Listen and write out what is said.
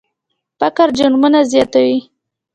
فقر جرمونه زیاتوي.